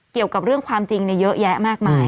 เกี่ยวกับเรื่องความจริงเยอะแยะมากมาย